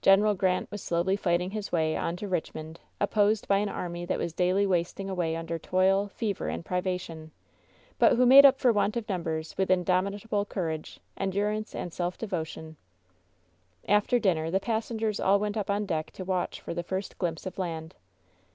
Gen. Grant was slowly fight infij his way on to Richmond, opposed by an arjnj that M^as daily wasting away under toil, fever and privation, but who made up for want of numbers with indomitable courage, endurance and self devotion. 60 WHEN SHADOWS DIE After dinner the passengers all went up on deck to watch for the first glimpse of land.